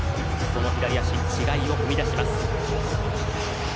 その左足、違いを生み出します。